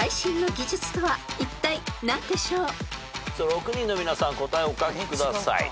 ６人の皆さん答えお書きください。